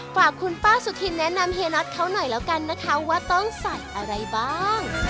ฝากคุณป้าสุธินแนะนำเฮียน็อตเขาหน่อยแล้วกันนะคะว่าต้องใส่อะไรบ้าง